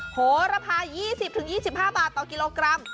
โหระพา๒๐๒๕บาทต่อกิโลกรัม